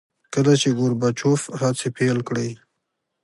کله چې ګورباچوف هڅې پیل کړې.